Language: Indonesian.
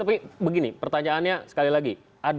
tapi begini pertanyaannya sekali lagi